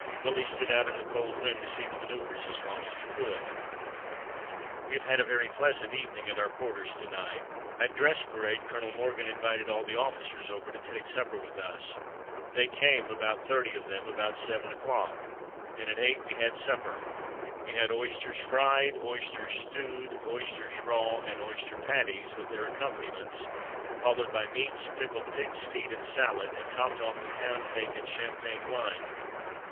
Willie stood out in the cold wind to see the maneuvers as long as he could. "We have had a very pleasant evening at our quarters to night. At dress parade Colonel Morgan invited all the officers over to take supper with us. They came, about thirty of them, about seven o'clock, and at eight we had supper. We had oysters fried, oysters stewed, oysters raw, and oyster patties, with their accompaniments, followed by meats, pickled pig's feet and salad, and topped off with pound cake and champagne wine.